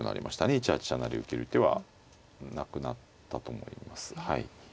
１八飛車成受ける手はなくなったと思います。